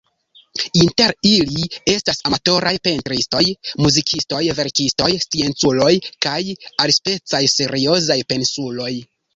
Inter ili estas amatoraj pentristoj, muzikistoj, verkistoj, scienculoj kaj alispecaj seriozaj pensuloj.